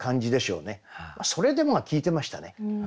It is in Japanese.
「それでも」が効いてましたね。